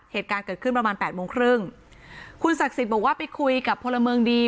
เหตุการณ์เกิดขึ้นประมาณแปดโมงครึ่งคุณศักดิ์สิทธิ์บอกว่าไปคุยกับพลเมืองดี